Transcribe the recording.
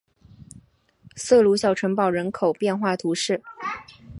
塞鲁小城堡人口变化图示